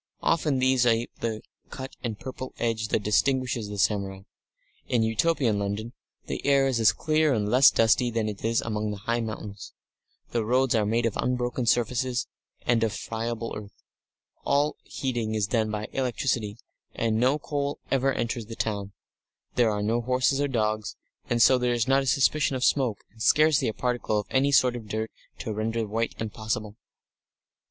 Often these ape the cut and purple edge that distinguishes the samurai. In Utopian London the air is as clear and less dusty than it is among high mountains; the roads are made of unbroken surfaces, and not of friable earth; all heating is done by electricity, and no coal ever enters the town; there are no horses or dogs, and so there is not a suspicion of smoke and scarcely a particle of any sort of dirt to render white impossible.